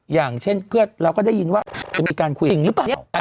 อย่างเช่นเพื่อนเราก็ได้ยินว่าจะมีการคุยจริงหรือเปล่า